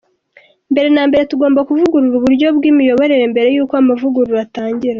"Mbere na mbere tugomba kuvugurura uburyo bw'imiyoborere mbere yuko amavugurura atangira".